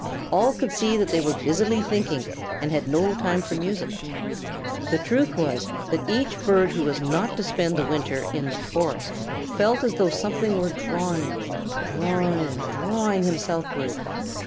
All could see that they were busily thinking and had no time for music. The truth was that each bird who was not to spend the winter in the Forest felt as though something were drawing drawing drawing him southward.